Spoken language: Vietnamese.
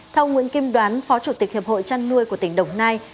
theo nguyễn kim đoán phó chủ tịch hiệp hội chăn nuôi của tỉnh đồng nai